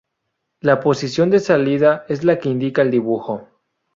La posición de salida es la que indica el dibujo.